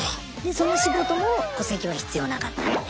その仕事も戸籍は必要なかったので。